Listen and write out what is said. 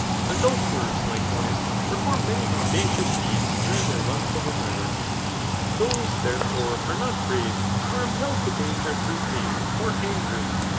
Adulterers^ likewise, perform many audacious deeds through their lustful desire. Those, therefore, are not brave, who are impelled to danger through psdn Granger.